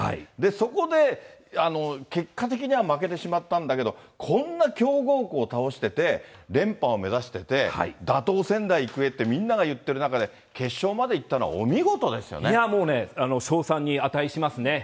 そこで結果的には負けてしまったんだけど、こんな強豪校倒してて、連覇を目指してて、打倒仙台育英ってみんなが言ってる中で、決勝までいったのはお見いや、もうね、称賛に値しますね。